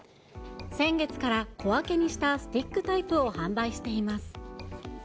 先月から小分けにしたスティックタイプを販売しています。